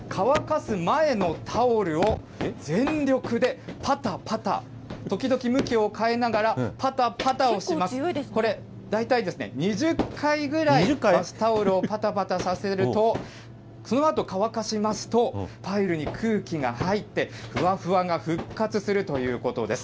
乾かす前のタオルを全力でぱたぱた、時々、向きを変えながら、ぱたぱたをします。大体、２０回ぐらいバスタオルをぱたぱたさせると、そのあと乾かしますと、パイルに空気が入って、ふわふわが復活するということです。